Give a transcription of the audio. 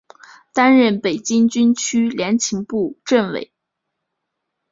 担任北京军区联勤部政委。